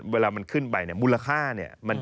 เวลามันขึ้นไปเนี่ยมูลค่าเนี่ย